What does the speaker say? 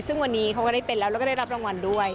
ซึ่งวันนี้เขาก็ได้เป็นแล้วแล้วก็ได้รับรางวัลด้วย